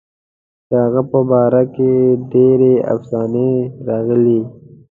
د هغه په باره کې ډېرې افسانې راغلي.